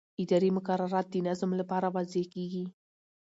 اداري مقررات د نظم لپاره وضع کېږي.